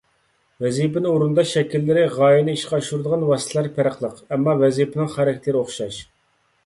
ۋەزىپىنى ئورۇنداش شەكىللىرى، غايىنى ئىشقا ئاشۇرىدىغان ۋاسىتىلەر پەرقلىق، ئەمما ۋەزىپىنىڭ خاراكتېرى ئوخشاش.